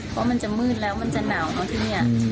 เพราะมันจะมืดแล้วมันจะหนาวเนอะที่นี่